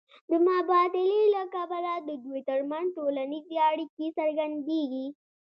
د مبادلې له کبله د دوی ترمنځ ټولنیزې اړیکې څرګندېږي